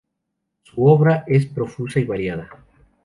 Su obra es profusa y variada.